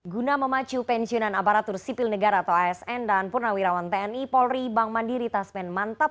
guna memacu pensiunan aparatur sipil negara atau asn dan purnawirawan tni polri bank mandiri tasmen mantap